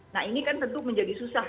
nah ini kan tentu menjadi susah